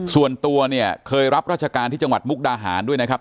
ส่วนตัวเนี่ยเคยรับราชการที่จังหวัดมุกดาหารด้วยนะครับ